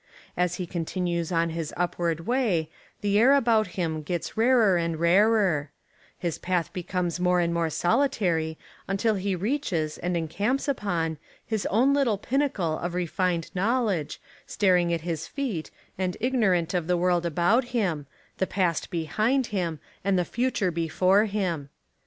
As he continues on his upward way, the air about him gets rarer and rarer, his path becomes more and more solitary until he reaches, and encamps upon, his own lit tle pinnacle of refined knowledge staring at his feet and ignorant of the world about him, the past behind him, and the future before him.